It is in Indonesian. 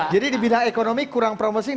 jadi di bidang ekonomi kurang promising